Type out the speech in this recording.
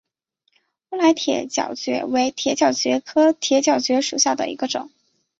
乌来铁角蕨为铁角蕨科铁角蕨属下的一个种。